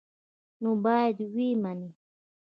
نو باید ویې مني.